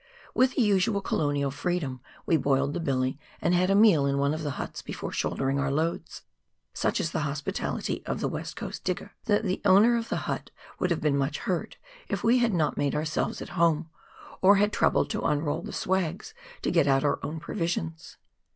With the usual colonial freedom, we boiled the billy, and had a meal in one of the huts before shouldering our loads. Such is the hospitality of the West Coast digger, that the owner of the hut would have been much hurt if we had not made ourselves at home, or had troubled to unroll the " swags " to get out our own provisions.